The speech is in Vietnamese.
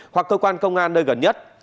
hoặc cơ quan công an nơi gần nhất